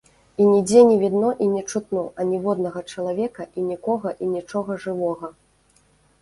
І нідзе не відно і не чутно аніводнага чалавека і нікога і нічога жывога.